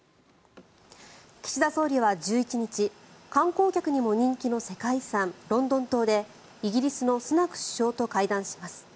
岸田総理は１１日観光客にも人気の世界遺産ロンドン塔でイギリスのスナク首相と会談します。